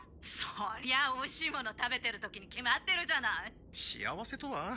そりゃおいしい物食べてるときに決まってるじゃない幸せとは？